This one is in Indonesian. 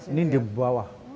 ini di bawah